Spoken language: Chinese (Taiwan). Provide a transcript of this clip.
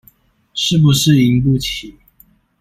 是不是贏不起